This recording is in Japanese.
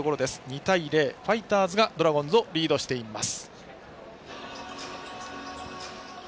２対０とファイターズがドラゴンズをリードしています。